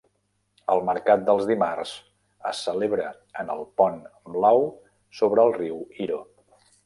El mercat dels dimarts es celebra en el pont blau sobre el riu Iro.